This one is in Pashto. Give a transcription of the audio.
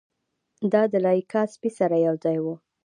دا د لایکا سپي سره یوځای و.